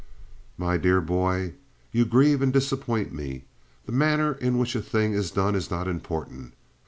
"My dear boy, you grieve and disappoint me. The manner in which a thing is done is not important.